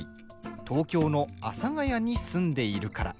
東京の阿佐ヶ谷に住んでいるから。